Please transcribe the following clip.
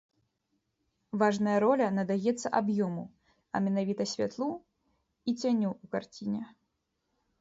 Важная роля надаецца аб'ёму, а менавіта святлу і цяню ў карціне.